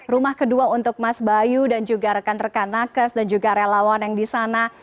rumah kedua untuk mas bayu dan juga rekan rekan nakes dan juga relawan yang di sana